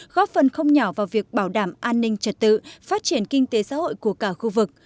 góp phần không nhỏ vào việc bảo đảm an ninh trật tự phát triển kinh tế xã hội của cả khu vực